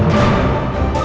masih masih yakin